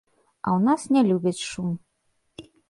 А ў нас не любяць шум.